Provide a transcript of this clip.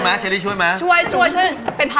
ไม่ได้ช่วยอะไรเลย